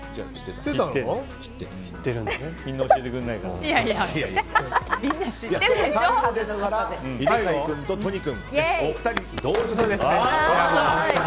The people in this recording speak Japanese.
最後ですから犬飼君と都仁君お二人同時に。